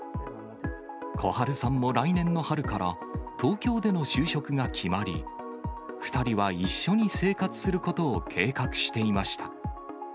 小春さんも来年の春から、東京での就職が決まり、２人は一緒に生活することを計画していました。